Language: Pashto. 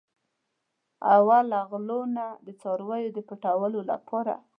او له غلو نه د څارویو د پټولو لپاره.